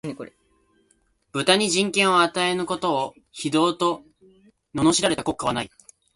豚に人権を与えぬことを、非道と謗られた国家はない